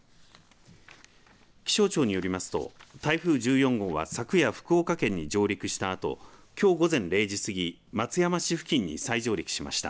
気象庁によりますと台風１４号は昨夜、福岡県に上陸したあときょう午前０時すぎ松山市付近に再上陸しました。